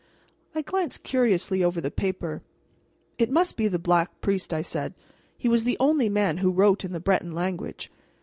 '" I glanced curiously over the paper. "It must be the Black Priest," I said. "He was the only man who wrote in the Breton language.